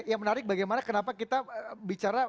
yang menarik bagaimana kenapa kita bicara